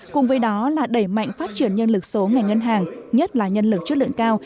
cùng với đó là đẩy mạnh phát triển nhân lực số ngành ngân hàng nhất là nhân lực chất lượng cao